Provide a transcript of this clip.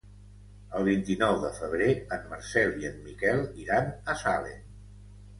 El vint-i-nou de febrer en Marcel i en Miquel iran a Salem.